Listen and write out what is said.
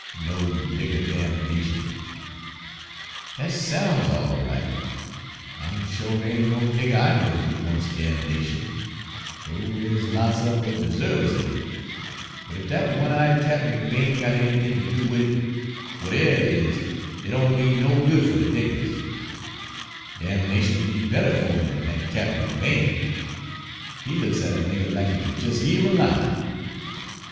'No nigger damnation!' Dat soun's all right, I'm sho' dere ain' no nigger I knows w'at wants damnation, do' dere's lots of 'em w'at deserves it; but ef dat one eyed Cap'n McBane got anything ter do wid it, w'atever it is, it don' mean no good fer de niggers, damnation'd be better fer 'em dan dat Cap'n McBane! He looks at a nigger lack he could jes' eat 'im alive."